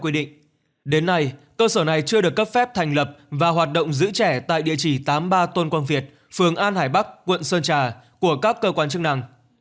quy định đến nay cơ sở này chưa được cấp phép thành lập và hoạt động giữ trẻ tại địa chỉ tám mươi ba tôn quang việt phường an hải bắc quận sơn trà của các cơ quan chức năng